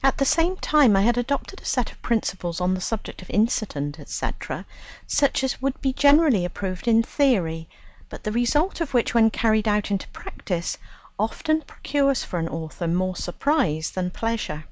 At the same time I had adopted a set of principles on the subject of incident, &c., such as would be generally approved in theory, but the result of which, when carried out into practice, often procures for an author more surprise than pleasure.